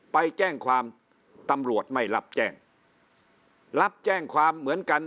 ไปแจ้งความตำรวจไม่รับแจ้งรับแจ้งความเหมือนกัน